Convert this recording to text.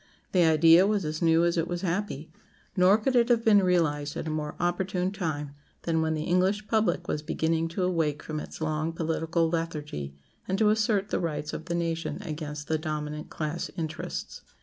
The idea was as new as it was happy; nor could it have been realized at a more opportune time than when the English public was beginning to awake from its long political lethargy, and to assert the rights of the nation against the dominant class interests.